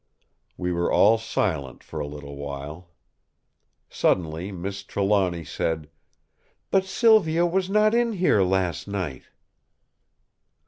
We were all silent for a little while. Suddenly Miss Trelawny said: "But Silvio was not in here last night!"